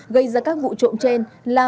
gây ra các vụ trộm trên là